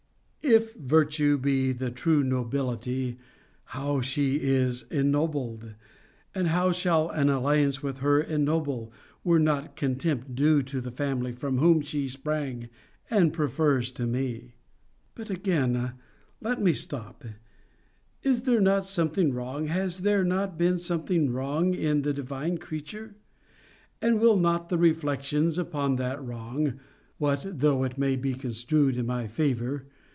If virtue be the true nobility, how is she ennobled, and how shall an alliance with her ennoble, were not contempt due to the family from whom she sprang and prefers to me! But again, let me stop. Is there not something wrong, has there not been something wrong, in this divine creature? And will not the reflections upon that wrong (what though it may be construed in my favour?